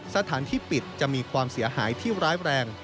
สถานที่ปิดจะมีความเสียหายที่ร้ายแรง